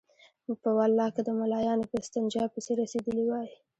په والله که د ملايانو په استنجا پسې رسېدلي وای.